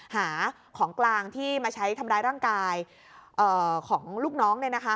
หาของกลางที่มาใช้ทำร้ายร่างกายของลูกน้อง